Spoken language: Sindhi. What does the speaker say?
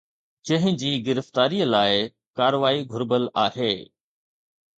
جنهن جي گرفتاري لاءِ ڪاروائي گهربل آهي